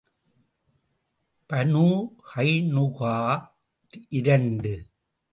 Banu கைனுகா இரண்டு.